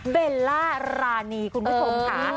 เบลล่ารานีคุณผู้ชมค่ะ